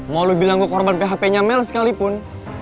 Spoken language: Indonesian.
mau lu bilang gua korban php nya mel sekalipun